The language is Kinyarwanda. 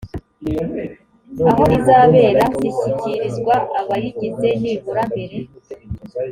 aho izabera zishyikirizwa abayigize nibura mbere